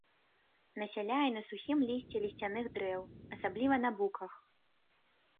Насяляе на сухім лісце лісцяных дрэў, асабліва на буках.